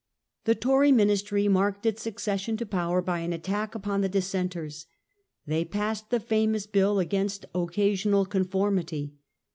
The Tory ministry marked its accession to power by an attack upon the Dissenters. They passed the famous bill against Occasional Conformity.